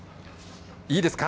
いいですか？